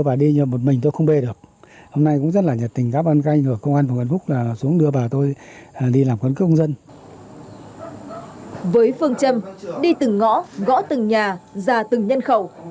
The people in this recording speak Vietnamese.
với phương châm đi từng ngõ gõ từng nhà ra từng nhân khẩu